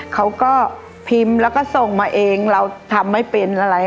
เขาก็พิมพ์แล้วก็ส่งมาเองเราทำไม่เป็นอะไร